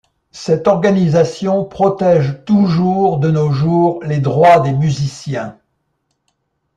Cette organisation protège toujours de nos jours les droits des musiciens.